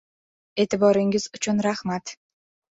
E'tiboringiz uchun rahmat!